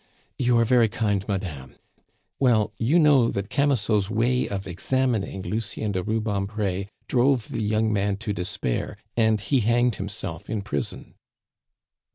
"You are very kind, madame. Well, you know that Camusot's way of examining Lucien de Rubempre drove the young man to despair, and he hanged himself in prison."